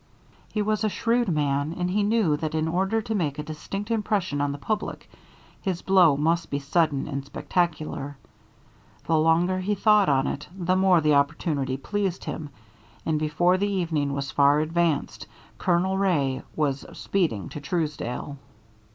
He was a shrewd man, and he knew that in order to make a distinct impression on The Public his blow must be sudden and spectacular. The longer he thought on it, the more the opportunity pleased him, and before the evening was far advanced Colonel Wray was speeding to Truesdale.